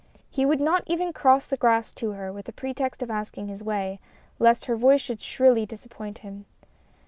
He would not even cross the grass to her with a pretext of asking his way, lest her voice should shrilly disappoint him.